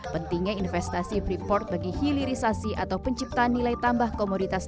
pentingnya investasi freeport bagi hilirisasi atau penciptaan nilai tambah komoditas